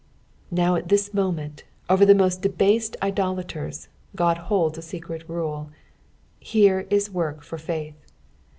Now at this moment, over the most debased idolaters, Ood holds a secret rule ; here is work for faith.